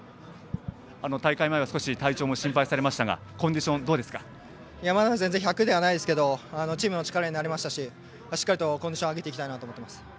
大会前は少し体調も心配されましたがまだ全然１００ではないですがチームの力になりましたししっかりコンディション上げていきたいと思います。